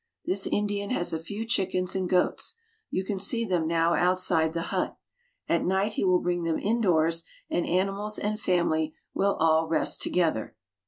This Indian has a few chickens and goats. You can see them now outside the hut. At night he will bring them indoors, and animals and family will all rest together.